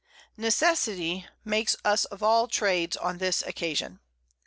Necessity makes us of all Trades on this occasion.